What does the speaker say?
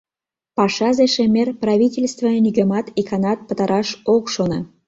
Пашазе-шемер правительстве нигӧмат иканат пытараш ок шоно.